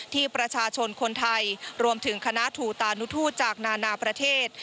ที่ประชาชนคนไทยรวมถึงคณะถูตานุทูตจากนานาประเทศ